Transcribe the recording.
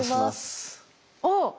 あっ！